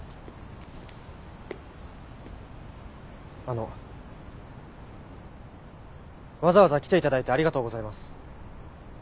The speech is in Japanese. あのわざわざ来ていただいてありがとうございます。